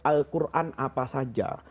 al quran apa saja